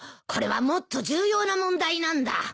これはもっと重要な問題なんだ。